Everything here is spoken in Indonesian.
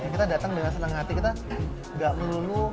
kita datang dengan senang hati kita gak melulu